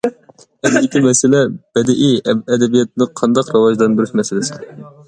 ئەمدىكى مەسىلە بەدىئىي ئەدەبىياتنى قانداق راۋاجلاندۇرۇش مەسىلىسى.